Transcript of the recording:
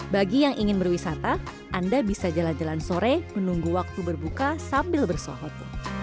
bagi yang ingin berwisata anda bisa jalan jalan sore menunggu waktu berbuka sambil bersohot